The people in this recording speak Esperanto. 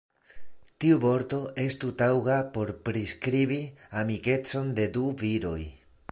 Tiu vorto estu taŭga por priskribi amikecon de du viroj.